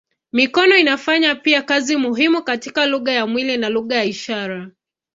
Mikono inafanya pia kazi muhimu katika lugha ya mwili na lugha ya ishara.